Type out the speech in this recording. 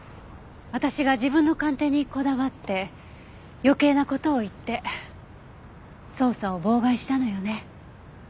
私が自分の鑑定にこだわって余計な事を言って捜査を妨害したのよね。